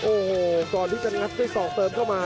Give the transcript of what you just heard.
โอ้โหก่อนที่จะงัดด้วยศอกเติมเข้ามา